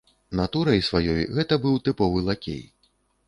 Натурай сваёй гэта быў тыповы лакей.